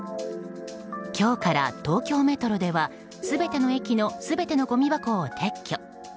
今日から東京メトロでは全ての駅の全てのごみ箱を撤去。